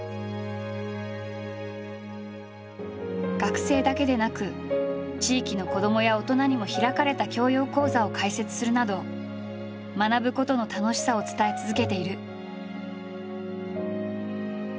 学生だけでなく地域の子どもや大人にも開かれた教養講座を開設するなど学ぶことの楽しさを伝え続けている。